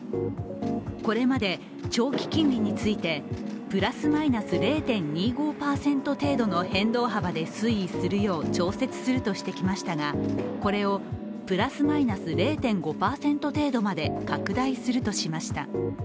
これまで長期金利について、プラスマイナス０．２５％程度の変動幅で推移するよう調節するとしてきましたがこれをプラスマイナス０．５％程度まで拡大するとしました。